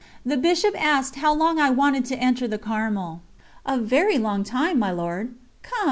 The Bishop asked how long I had wanted to enter the Carmel. "A very long time, my Lord!" "Come!"